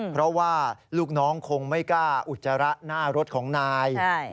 เพราะว่าลูกน้องคงไม่กล้าอุจจาระหน้ารถของนาย